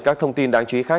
các thông tin đáng chú ý khác